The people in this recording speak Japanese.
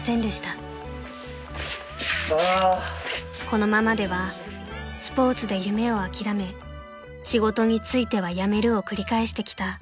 ［このままではスポーツで夢を諦め仕事に就いては辞めるを繰り返してきた